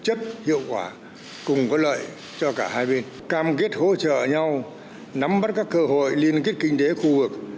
chất hiệu quả cùng có lợi cho cả hai bên cam kết hỗ trợ nhau nắm bắt các cơ hội liên kết kinh tế khu vực